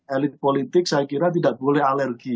elit politik saya kira tidak boleh alergi